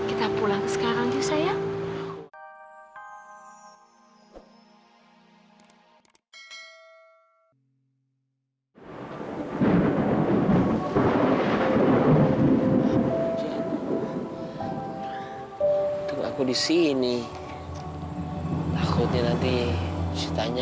sampai jumpa di video selanjutnya